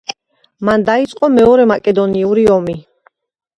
მან დაიწყო მეორე მაკედონური ომი.